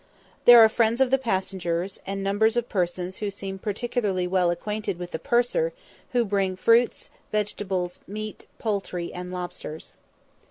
There are the friends of the passengers, and numbers of persons who seem particularly well acquainted with the purser, who bring fruits, vegetables, meat, poultry, and lobsters.